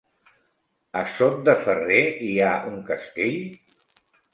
A Sot de Ferrer hi ha un castell?